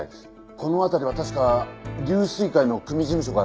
この辺りは確か龍翠会の組事務所があるはずです。